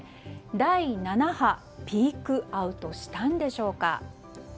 第７波、ピークアウトしたんでしょうか。